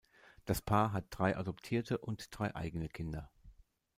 Das Paar hat drei adoptierte und drei eigene Kinder.